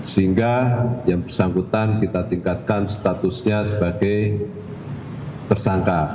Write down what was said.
sehingga yang bersangkutan kita tingkatkan statusnya sebagai tersangka